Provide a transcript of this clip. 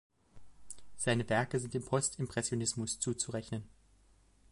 Seine Werke sind dem Post-Impressionismus zuzurechnen.